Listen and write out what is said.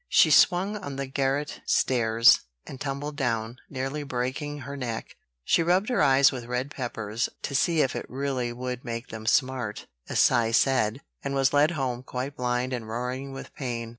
She swung on the garret stairs, and tumbled down, nearly breaking her neck. She rubbed her eyes with red peppers, to see if it really would make them smart, as Cy said; and was led home quite blind and roaring with pain.